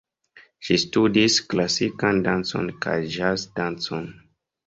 Ŝi studis klasikan dancon kaj jazz-dancon.